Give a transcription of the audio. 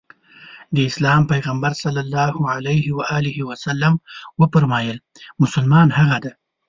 د اسلام پيغمبر ص وفرمايل مسلمان هغه دی.